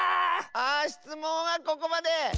あしつもんはここまで！